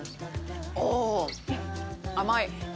おぉ、甘い！